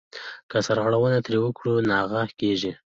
که سرغړونه ترې وکړې ناغه کېږې .